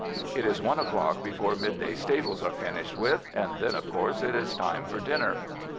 It is one o'clock before midday stables is finished with, and then of course it is time for dinner.